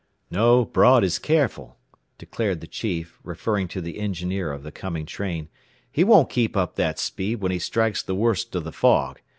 ] "No; Broad is careful," declared the chief, referring to the engineer of the coming train. "He won't keep up that speed when he strikes the worst of the fog.